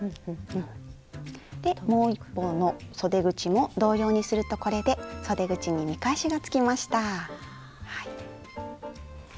もう一方のそで口も同様にするとこれでそで口に見返しがつきました。